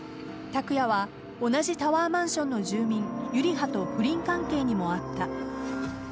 卓弥は同じタワーマンションの住民ゆり葉と不倫関係にもあった。